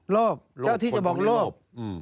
โลภเจ้าที่จะบอกโลภ